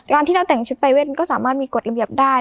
การที่เราแต่งชุดไปเว่นก็สามารถมีกฎระเบียบได้